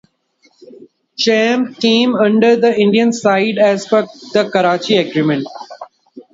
Chamb came under the Indian side as per the Karachi Agreement.